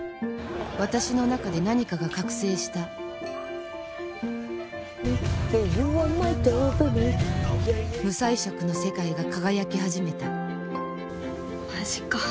私の中で何かが覚醒した無彩色の世界が輝き始めたマジか。